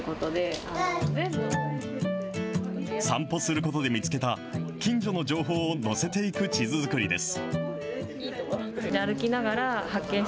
散歩することで見つけた、近所の情報を載せていく地図作りです。